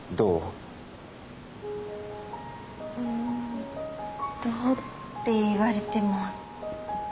うんどうって言われても。